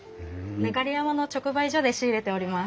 流山の直売所で仕入れております。